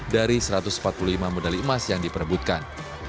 dari satu ratus empat puluh lima medali emas yang diperebutkan